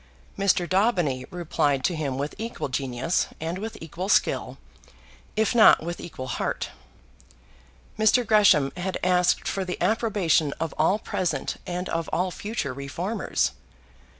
Mr. Daubeny replied to him with equal genius, and with equal skill, if not with equal heart. Mr. Gresham had asked for the approbation of all present and of all future reformers. Mr.